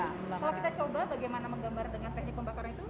kalau kita coba bagaimana menggambar dengan teknik pembakaran itu